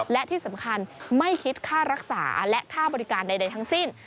และที่สำคัญไม่คิดค่ารักษาและค่าบริการใดทั้งสิ้น